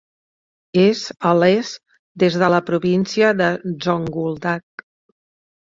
És a l'est des de la província de Zonguldak.